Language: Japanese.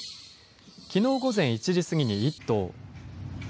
きのう午前１時過ぎに１頭。